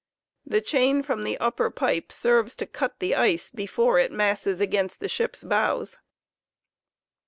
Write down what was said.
The chain from the upper pipe serves to cut the ice before it masses against the ship's bows.